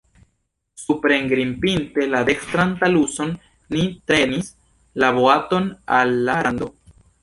Suprengrimpinte la dekstran taluson, ni trenis la boaton al la rando.